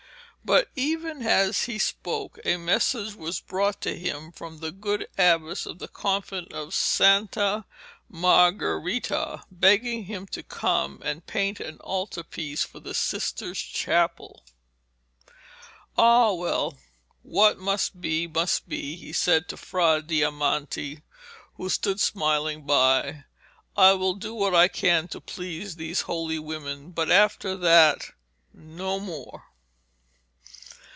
But even as he spoke a message was brought to him from the good abbess of the convent of Santa Margherita, begging him to come and paint an altarpiece for the sisters' chapel. 'Ah, well, what must be, must be,' he said to Fra Diamante, who stood smiling by. 'I will do what I can to please these holy women, but after that no more.'